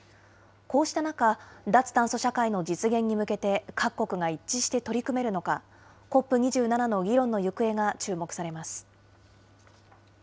こうした中、脱炭素社会の実現に向けて各国が一致して取り組めるのか、ＣＯＰ２７の議論の行方が注目されます。